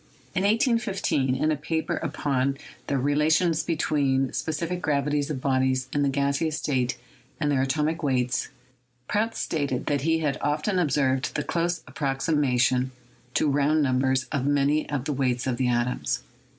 In 181 5, in a paper upon the relations between the spe cific gravities of bodies in the gaseous state and their atom ic weights, Prout stated that he had often observed the close approximation to round numbers of many of the weights of the atoms.